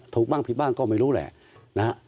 ถูกบ้างผิดบ้างก็ไม่รู้แหละนะฮะ